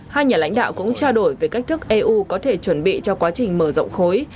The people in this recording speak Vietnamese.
hai nhà lãnh đạo cũng trao đổi về cách thức eu có thể chuẩn bị cho quá trình mở rộng khối